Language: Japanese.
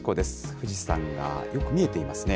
富士山がよく見えていますね。